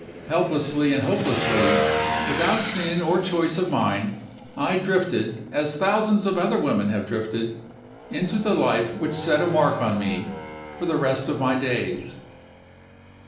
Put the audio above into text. Helplessly and hopelessly, without sin or choice of mine, I drifted, as thousands of other women have drifted, into the life which set a mark on me for the rest of my days.